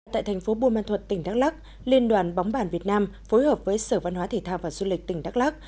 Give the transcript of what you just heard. tại thành phố buôn ma thuật tỉnh đắk lắc liên đoàn bóng bàn việt nam phối hợp với sở văn hóa thể thao và du lịch tỉnh đắk lắc